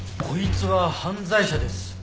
「こいつは犯罪者です」